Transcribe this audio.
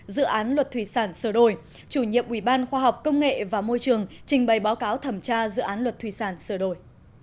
dự án luật thủy sản sờ đổi chủ nhiệm ubkcm trình bày báo cáo thẩm tra dự án luật thủy sản sờ đổi